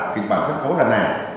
kịch bản sân khấu lần này